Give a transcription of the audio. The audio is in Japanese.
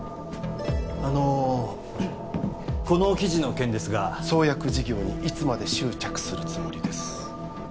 あのこの記事の件ですが創薬事業にいつまで執着するつもりです？